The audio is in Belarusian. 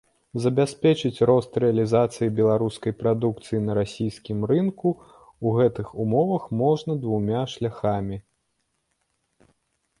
Забяспечыць рост рэалізацыі беларускай прадукцыі на расійскім рынку ў гэтых умовах можна двума шляхамі.